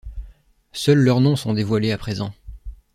Seuls leurs noms sont dévoilés à présent.